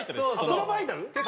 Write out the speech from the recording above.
そのバイタル？